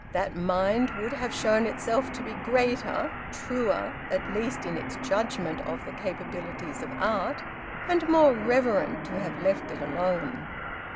That mind would have shown itself to be greater, truer, at least, in its judgement of the capabilities of art, and more reverent to have let it alone."